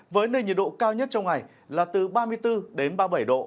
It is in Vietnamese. với nền nhiệt độ cao nhất trong ngày là từ ba mươi bốn đến ba mươi bảy độ